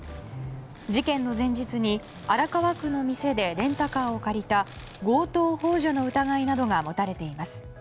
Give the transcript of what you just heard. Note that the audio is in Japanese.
事件の前日に荒川区の店でレンタカーを借りた強盗幇助の疑いなどが持たれています。